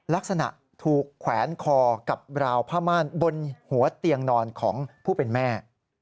ลักษณะถูกแขวนคอกับราวผ้าม่านบนหัวเตียงนอนของผู้เป็นแม่